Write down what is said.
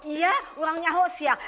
iya orangnya ho siak